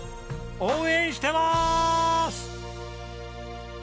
応援してまーす！